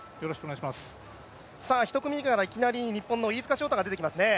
１組目からいきなり日本の飯塚翔太が出てきますね。